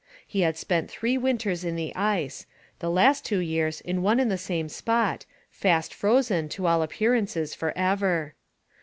He had spent three winters in the ice, the last two years in one and the same spot, fast frozen, to all appearances, for ever.